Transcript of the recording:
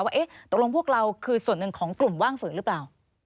ว่าตกลงพวกเราคือส่วนหนึ่งของกลุ่มว่างฝืนหรือเปล่า